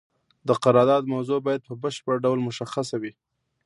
د قرارداد موضوع باید په بشپړ ډول مشخصه وي.